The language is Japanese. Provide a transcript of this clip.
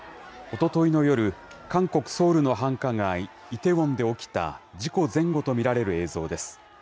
おとといの夜、韓国・ソウルの繁華街、イテウォンで起きた事故前後と見られる映像です。